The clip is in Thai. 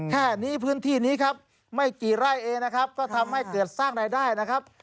แค่นี้พื้นที่นี้ครับไม่กี่ไร่เองนะครับก็ทำให้เกิดสร้างรายได้นะครับ